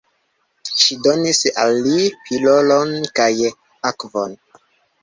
Ŝi donis al li pilolon kaj akvon.